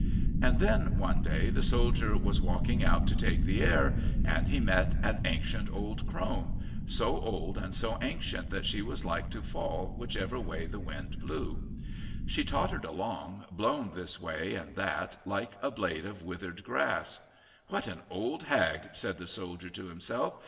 And then, one day, the soldier was walking out to take the air, and he met an ancient old crone, so old and so ancient that she was like to fall whichever way the wind blew. She tottered along, blown this way and that, like a blade of withered grass. "What an old hag," said the soldier to himself.